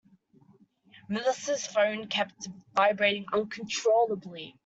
Melissa's phone kept vibrating uncontrollably.